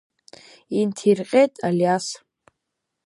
Инҭирҟьеит Алиас.